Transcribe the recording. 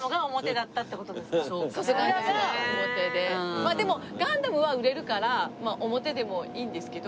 まあでもガンダムは売れるから表でもいいんですけど。